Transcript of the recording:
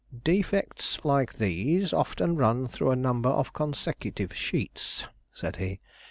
"Defects like these often run through a number of consecutive sheets," said he.